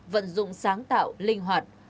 vận dụng sáng tạo linh hoạt